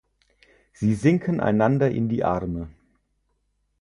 Sie sinken einander in die Arme.